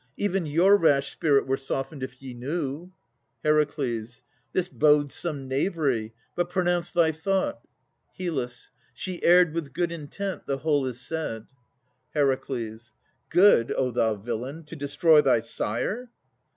Even your rash spirit were softened, if you knew. HER. This bodes some knavery. But declare thy thought! HYL. She erred with good intent. The whole is said. HER. Good, O thou villain, to destroy thy sire!